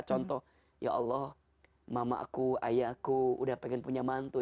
contoh ya allah mama aku ayah aku sudah ingin punya mantu